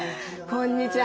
こんにちは。